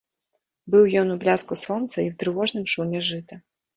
Быў ён у бляску сонца і ў трывожным шуме жыта.